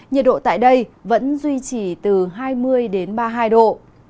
nhiệt độ tại đây vẫn duy trì từ hai mươi đến ba mươi hai độ